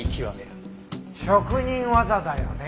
職人技だよね。